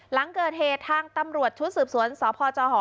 หลังเกิดเหตุทางตำรวจชุดสืบสวนสพจห